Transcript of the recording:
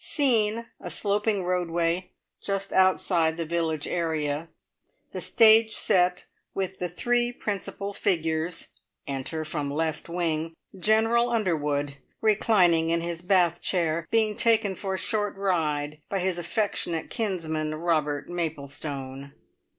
Scene, a sloping roadway just outside the village area. The stage set with the three principal figures. Enter from left wing, General Underwood, reclining in his bath chair, being taken for a short ride by his affectionate kinsman, Robert Maplestone.